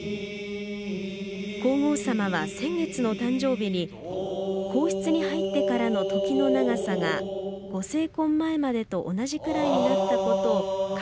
皇后さまは先月の誕生日に皇室に入ってからの時の長さがご成婚前までと同じくらいになったことを感慨